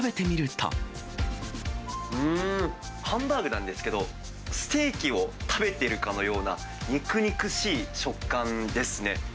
うーん、ハンバーグなんですけど、ステーキを食べてるかのような、肉肉しい食感ですね。